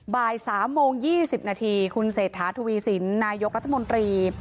บ่าย๓โมง๒๐นาทีคุณเศรษฐาทวีสินนายกรัฐมนตรี